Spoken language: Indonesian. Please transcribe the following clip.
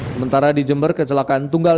sementara di jember kecelakaan tunggal